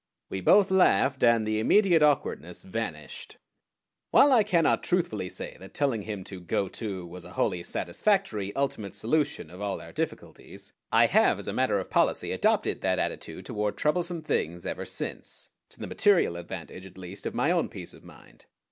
We both laughed, and the immediate awkwardness vanished. While I cannot truthfully say that telling him to "go to" was a wholly satisfactory ultimate solution of all our difficulties, I have as a matter of policy adopted that attitude toward troublesome things ever since, to the material advantage at least of my own peace of mind.